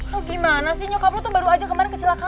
lo gimana sih nyokap lo tuh baru aja kemarin kecelakaan